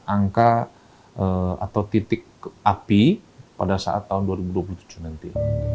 angka atau titik api pada saat tahun dua ribu dua puluh tujuh nanti